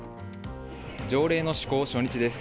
条例の施行初日です。